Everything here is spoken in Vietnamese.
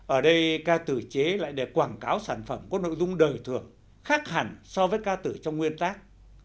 ở đây ca tử chế lại để quảng cáo sản phẩm có nội dung đời thường khác hẳn so với ca tử trong nguyên tác